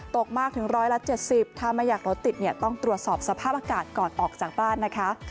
ตกมากถึง๑๗๐ถ้าไม่อยากรถติดเนี่ยต้องตรวจสอบสภาพอากาศก่อนออกจากบ้านนะคะ